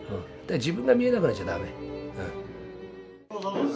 自分が見えなくなっちゃだめ。